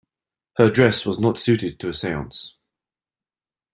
Her dress was not suited to a seance.